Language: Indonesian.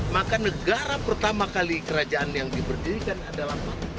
maka negara pertama kali kerajaan yang diberdirikan adalah